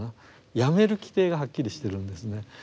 やめる規定がはっきりしてるんですね。